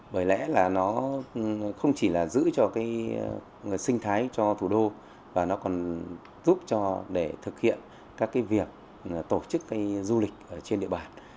bởi lẽ là nó không chỉ giữ cho sinh thái cho thủ đô và nó còn giúp cho để thực hiện các việc tổ chức du lịch trên địa bàn